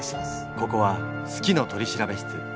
ここは「好きの取調室」。